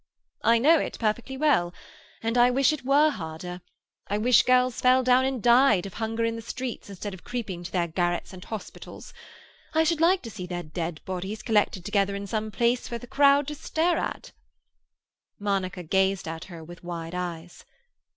"I know it perfectly well. And I wish it were harder. I wish girls fell down and died of hunger in the streets, instead of creeping to their garrets and the hospitals. I should like to see their dead bodies collected together in some open place for the crowd to stare at." Monica gazed at her with wide eyes.